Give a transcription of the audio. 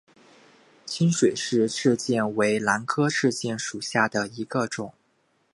清水氏赤箭为兰科赤箭属下的一个种。